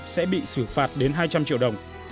sẽ bị xử phạt đến hai trăm linh triệu đồng